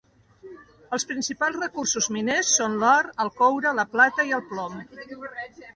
Els principals recursos miners són l'or, el coure, la plata i el plom.